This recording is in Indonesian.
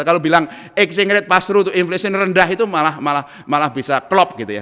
kalau bilang exing rate password to inflation rendah itu malah bisa klop gitu ya